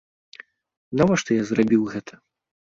Навошта я зрабіў гэта?